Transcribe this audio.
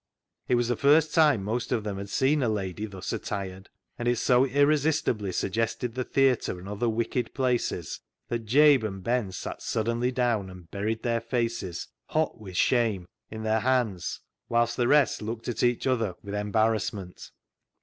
It was the first time most of them had seen a lady thus attired, and it so irresistibly suggested the theatre, and other wicked places, that Jabe and Ben sat suddenly down and buried their faces — hot with shame — in their '•THE ZEAL OF THINE HOUSE" 343 hands, whilst the rest looked at each other with embarrassment.